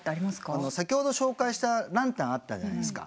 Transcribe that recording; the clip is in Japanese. あの先ほど紹介したランタンあったじゃないですか。